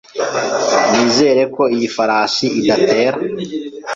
Nizere ko iyi farashi idatera.